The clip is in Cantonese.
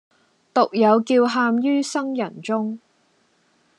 獨有叫喊于生人中，